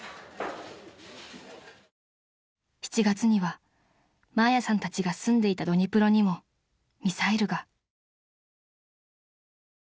［７月にはマーヤさんたちが住んでいたドニプロにもミサイルが］